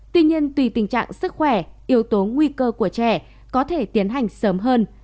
tuy nhiên tùy tình trạng sức khỏe yếu tố nguy cơ của trẻ có thể tiến hành sớm hơn